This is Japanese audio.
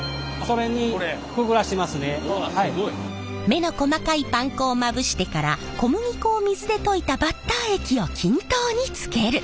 目の細かいパン粉をまぶしてから小麦粉を水で溶いたバッター液を均等につける。